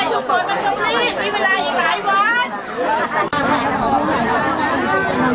เห็นมีพวกมันมาทำในหลัง